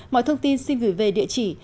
mọi thông tin xin gửi về địa chỉ